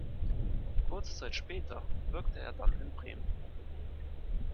Kurze Zeit später wirkte er dann in Bremen.